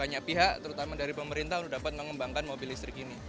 banyak pihak terutama dari pemerintah untuk dapat mengembangkan mobil listrik ini